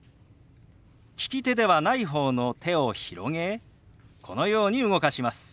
利き手ではない方の手を広げこのように動かします。